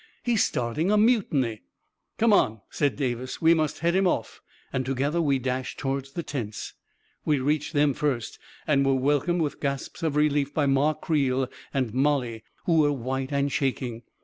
" He's starting a mutiny! "" Come on I " said Davis. " We must head him off !" and together we dashed toward the tents. We reached them first, and were welcomed with gasps of relief by Ma Creel and Mollie, who were white and shaking.